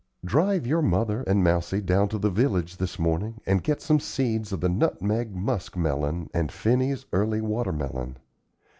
Drive your mother and Mousie down to the village this morning, and get some seeds of the nutmeg musk melon and Phinney's early watermelon.